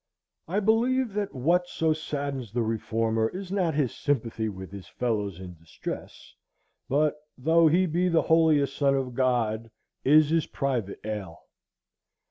I believe that what so saddens the reformer is not his sympathy with his fellows in distress, but, though he be the holiest son of God, is his private ail.